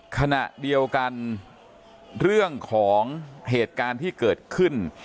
ขณะเดียวกันเรื่องของเหตุการณ์ที่เกิดขึ้น